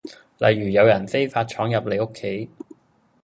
例如有人非法闖入你屋企